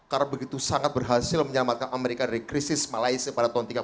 karena begitu sangat berhasil menyelamatkan amerika dari krisis malaysia pada tahun tiga puluh an